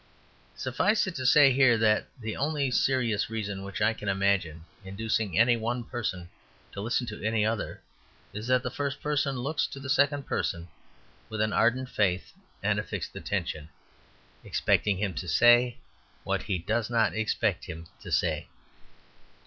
Suffice it to say here that the only serious reason which I can imagine inducing any one person to listen to any other is, that the first person looks to the second person with an ardent faith and a fixed attention, expecting him to say what he does not expect him to say.